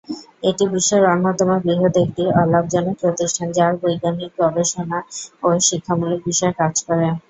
এটি বিশ্বের অন্যতম বৃহৎ একটি অলাভজনক প্রতিষ্ঠান, যাঁর বৈজ্ঞানিক গবেষণা ও শিক্ষামূলক বিষয়ে কাজ করে।